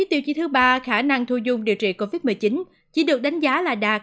tiêu chí thứ ba khả năng thu dung điều trị covid một mươi chín chỉ được đánh giá là đạt